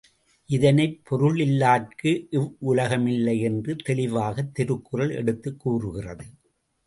இதனைப் பொருளில்லார்க்கு இவ்வுலகமில்லை என்று தெளிவாகத் திருக்குறள் எடுத்துக் கூறுகிறது.